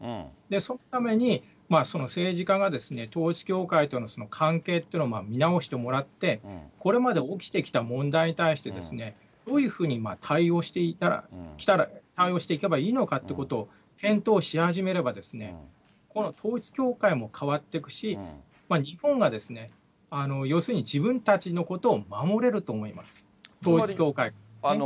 そのために、政治家が統一教会との関係っていうのを見直してもらって、これまで起きてきた問題に対して、どういうふうに対応していけばいいのかってことを検討し始めれば、この統一教会も変わっていくし、日本は、要するに自分たちのことを守れると思います、統一教会からね。